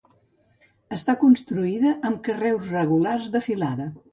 Està construïda amb carreus regulars de filada.